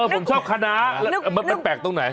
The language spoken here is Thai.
ผมชอบคณะมันแปลกตรงไหน